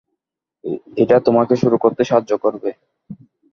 এটা তোমাকে শুরু করতে সাহায্য করবে।